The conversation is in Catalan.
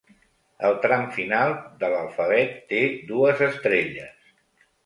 El tram final de l'alfabet té dues estrelles.